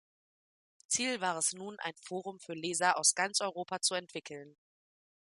Ziel war es nun, ein Forum für Leser aus ganz Europa zu entwickeln.